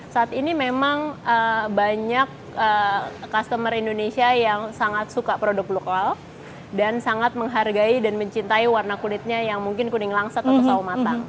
saat ini memang banyak customer indonesia yang sangat suka produk blue walf dan sangat menghargai dan mencintai warna kulitnya yang mungkin kuning langsat atau saus matang